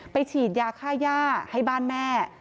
ฉีดยาค่าย่าให้บ้านแม่